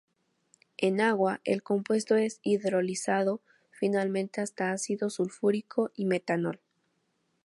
En agua, el compuesto es hidrolizado finalmente hasta ácido sulfúrico y metanol.